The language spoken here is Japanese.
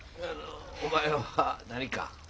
お前は何か？